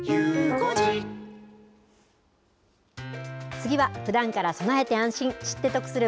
次は、ふだんから備えて安心、知って得する！